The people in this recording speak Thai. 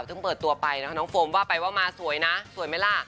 ซึ่งเปิดตัวไปนะคะน้องโฟมว่าไปว่ามาสวยนะสวยไหมล่ะ